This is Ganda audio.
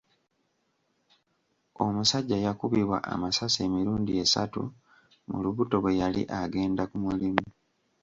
Omusajja yakubibwa amasasi emirundi esatu mu lubuto bwe yali agenda ku mulimu.